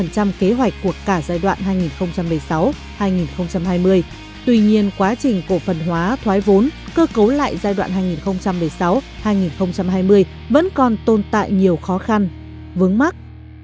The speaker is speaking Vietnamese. cứ cấu lại giai đoạn hai nghìn một mươi sáu hai nghìn hai mươi vẫn còn tồn tại nhiều khó khăn vướng mắt